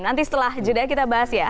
nanti setelah jeda kita bahas ya